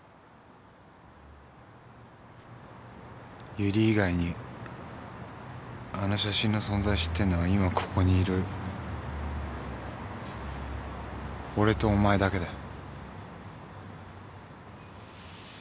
由理以外にあの写真の存在を知ってんのは今ここにいる俺とお前だけだよ。